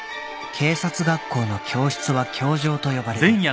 ［警察学校の教室は教場と呼ばれる］